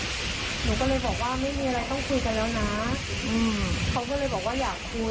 หนูก็เลยบอกว่าไม่มีอะไรต้องคุยกันแล้วนะอืมเขาก็เลยบอกว่าอยากคุย